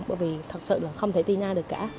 bởi vì thật sự là không thể ti na được cả